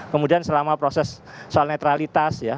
kemudian selama proses soal netralitas ya